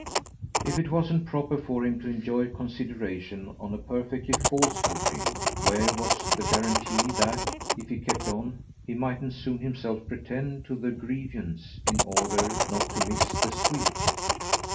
If it wasn't proper for him to enjoy consideration on a perfectly false footing, where was the guarantee that, if he kept on, he mightn't soon himself pretend to the grievance in order not to miss the sweet?